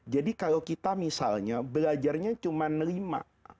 jadi kalau kita misalnya belajarnya cuma lima